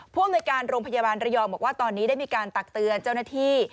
ผู้อำนวยการโรงพยาบาลระยองบอกว่าตอนนี้ได้มีการตักเตือนเจ้าหน้าที่